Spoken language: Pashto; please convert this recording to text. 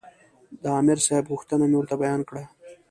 د عامر صاحب غوښتنه مې ورته بیان کړه.